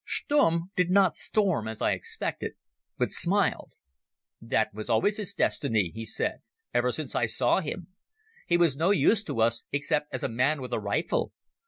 Stumm did not storm as I expected, but smiled. "That was always his destiny," he said, "ever since I saw him. He was no use to us except as a man with a rifle.